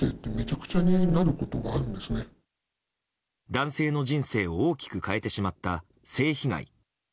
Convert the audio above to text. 男性の人生を大きく変えてしまった性被害。